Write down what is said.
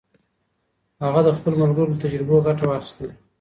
هغه د خپلو ملګرو له تجربو ګټه واخیسته.